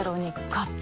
勝つ！